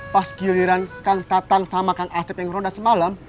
pas giliran kang tatang sama kang asep yang roda semalam